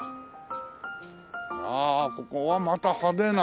ああここはまた派手な。